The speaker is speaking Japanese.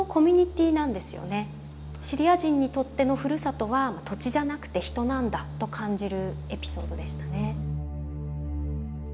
シリア人にとってのふるさとは土地じゃなくて人なんだと感じるエピソードでしたね。